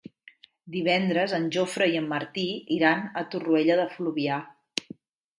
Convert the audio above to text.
Divendres en Jofre i en Martí iran a Torroella de Fluvià.